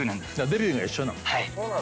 デビューが一緒なの。